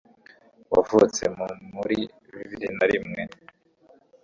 wavutse mu muri bibiri na rimwe